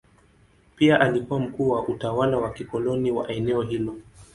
Pia alikuwa mkuu wa utawala wa kikoloni wa eneo hilo.